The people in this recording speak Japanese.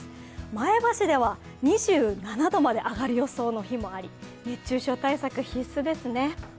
前橋では２７度まで上がる予想の日もあり、熱中症対策、必須ですね。